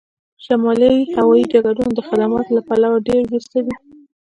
شمالي هوایی ډګرونه د خدماتو له پلوه ډیر وروسته دي